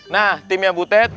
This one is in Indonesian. nah timnya butet